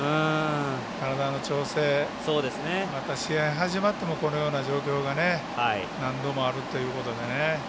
体の調整、また試合始まってもこのような状況が何度もあるということでね。